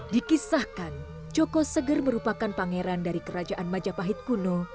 dikisahkan joko seger merupakan pangeran dari kerajaan majapahit kuno